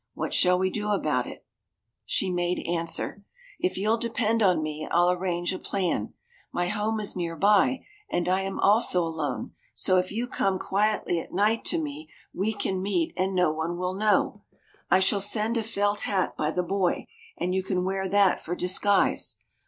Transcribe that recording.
What shall we do about it?" She made answer, "If you'll depend on me, I'll arrange a plan. My home is near by, and I am also alone, so if you come quietly at night to me, we can meet and no one will know. I shall send a felt hat by the boy, and you can wear that for disguise.